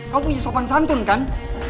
kamu punya sopan santun kan